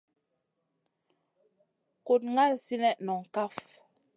Kuɗ ŋal sinèh noŋ kaf.